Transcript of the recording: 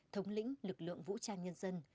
thống lĩnh lực lượng vũ trang nhân dân